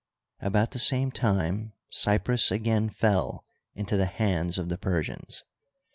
About the same time Cyprus again fell into the hands of the Persians.